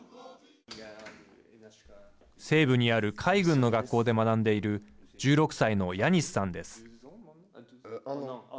西部にある海軍の学校で学んでいる１６歳のヤニスさんです。